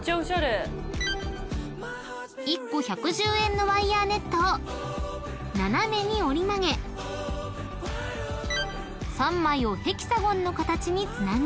［１個１１０円のワイヤネットを斜めに折り曲げ３枚をヘキサゴンの形につなぐ］